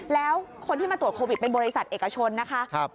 แล้วคนที่มาตรวจโควิดเป็นบริษัทเอกชนนะคะ